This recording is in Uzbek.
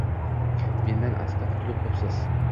Mendan asti qutulib bo`psiz